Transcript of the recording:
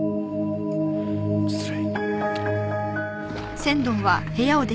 失礼。